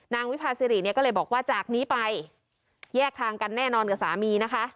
วิภาสิริเนี่ยก็เลยบอกว่าจากนี้ไปแยกทางกันแน่นอนกับสามีนะคะ